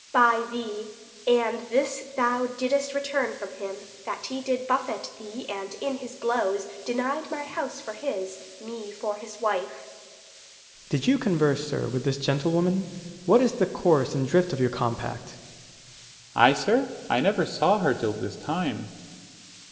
155 Adr. By thee; and this thou didst return from him, That he did buffet thee, and, in his blows, Denied my house for his, me for his wife. Ant. S. Did you converse, sir, with this gentlewoman? What is the course and drift of your compact? 160 Dro. S. I, sir? I never saw her till this time.